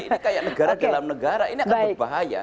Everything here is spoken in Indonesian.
ini kayak negara dalam negara ini akan berbahaya